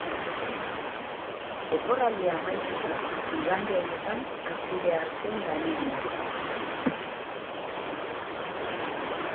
Oporraldia amaituta, igande honetan hasi behar zen lanean.